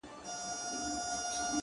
o اوس چي د مځكي كرې اور اخيستـــــى ـ